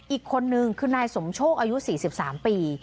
อีกคนนึงคือนายสมโชคอายุ๔๓ปี